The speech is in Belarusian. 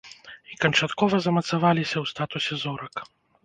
І канчаткова замацаваліся ў статусе зорак.